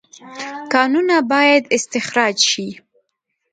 کانونه باید استخراج شي